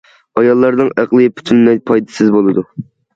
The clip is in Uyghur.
ئاياللارنىڭ ئەقلى پۈتۈنلەي پايدىسىز بولىدۇ.